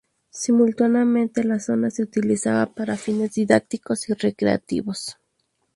Simultáneamente, la zona se utilizaba para fines didácticos y recreativos.